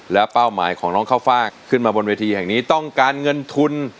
แล้วเป้าหมายของน้องข้าวฟากขึ้นมาบนเวทีแห่งนี้ต้องการเงินทุน